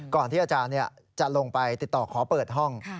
ที่อาจารย์จะลงไปติดต่อขอเปิดห้อง